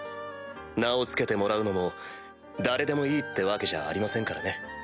名を付けてもらうのも誰でもいいってわけじゃありませんからね。